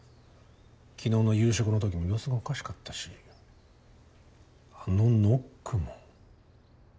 昨日の夕食のときも様子がおかしかったしあのノックも。